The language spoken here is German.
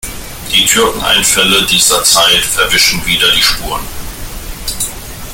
Die Türkeneinfälle dieser Zeit verwischen wieder die Spuren.